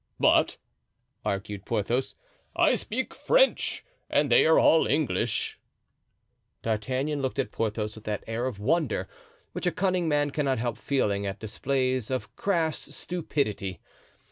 "But," argued Porthos, "I speak French and they are all English." D'Artagnan looked at Porthos with that air of wonder which a cunning man cannot help feeling at displays of crass stupidity.